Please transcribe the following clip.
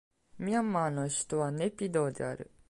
ミャンマーの首都はネピドーである